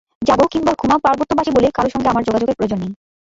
জাগো কিংবা ঘুমাও পার্বত্যবাসী বলে কারও সঙ্গে আমার যোগাযোগের প্রয়োজন নেই।